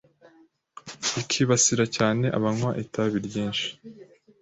ikibasira cyane abanywa itabi ryinshi